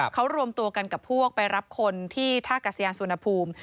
เขารวมตัวกันกับพวกไปรับคนที่ท่ากัศยานสุวรรณภูมิ